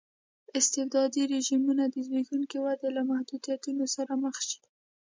استبدادي رژیمونه د زبېښونکې ودې له محدودیتونو سره مخ شي.